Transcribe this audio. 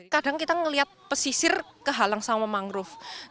kadang kita melihat pesisir kehalang sama mangrove